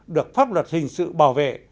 được pháp luật hình sự bảo vệ